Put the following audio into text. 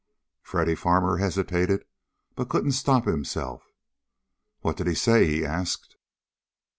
Freddy Farmer hesitated, but couldn't stop himself. "What did he say?" he asked.